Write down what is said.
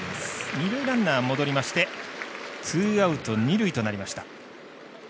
二塁ランナー戻りましてツーアウト、二塁となりました。